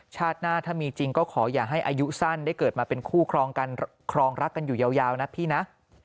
ชาติหน้าถ้ามีจริงก็ขออย่าให้อายุสั้นได้เกิดมาเป็นคู่ครองกันครองรักกันอยู่ยาวนะพี่นะ